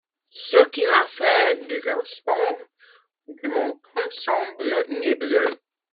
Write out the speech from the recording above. Ce qu'il a fait du restant du montant semble nébuleux.